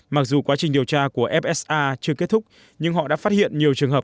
mặc dù quá trình điều tra của fsa chưa kết thúc nhưng họ đã phát hiện nhiều trường hợp